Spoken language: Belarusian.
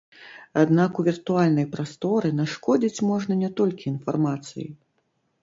Аднак у віртуальнай прасторы нашкодзіць можна не толькі інфармацыяй.